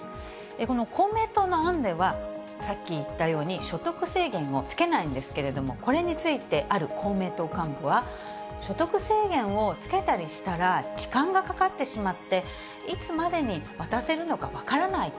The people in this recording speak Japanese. この公明党の案では、さっき言ったように、所得制限をつけないんですけれども、これについて、ある公明党幹部は、所得制限をつけたりしたら、時間がかかってしまって、いつまでに渡せるのか分からないと。